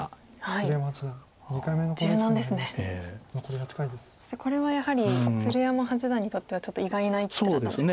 そしてこれはやはり鶴山八段にとってはちょっと意外な一手だったんでしょうか。